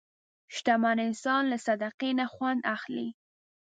شتمن انسان له صدقې نه خوند اخلي.